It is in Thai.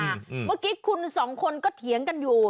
เมื่อกี้คุณสองคนก็เถียงกันอยู่